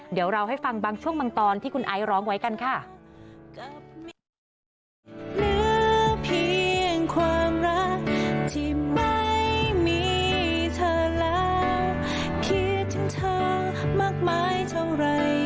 เดี๋ยวเราให้ฟังบางช่วงบางตอนที่คุณไอซร้องไว้กันค่ะ